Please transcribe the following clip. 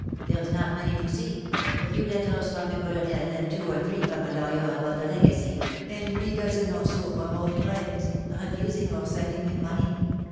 There's not many to see — a few letters from the Colonel, and two or three from a lawyer about the legacy, and a dozen or so THE DAY WILL COME. IQ5 from old friends, refusing or sending him money.